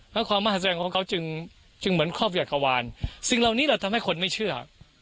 แล้วความมหาศจรรย์ของเขาจึงจึงเหมือนครอบจักรวาลสิ่งเหล่านี้แหละทำให้คนไม่เชื่อ